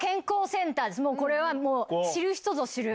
これは知る人ぞ知る。